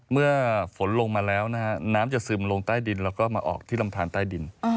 เมื่อฝนลงมาแล้วนะฮะน้ำจะซึมลงใต้ดินแล้วก็มาออกที่ลำทานใต้ดิน